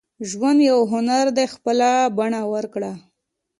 • ژوند یو هنر دی، خپله بڼه ورکړه.